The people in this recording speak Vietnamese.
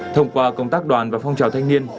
thông qua công tác đoàn và phong trào thanh niên